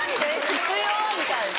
必要？」みたいな。